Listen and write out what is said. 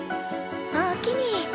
おおきに。